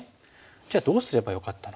じゃあどうすればよかったのか。